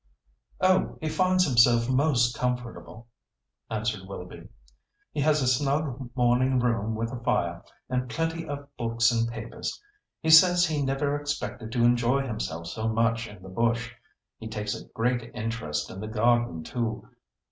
"Oh, he finds himself most comfortable," answered Willoughby. "He has a snug morning room with a fire, and plenty of books and papers. He says he never expected to enjoy himself so much in the bush. He takes a great interest in the garden too.